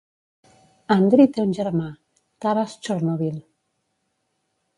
Andriy té un germà, Taras Chornovil.